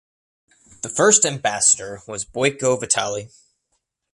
The first ambassador was Boyko Vitaly.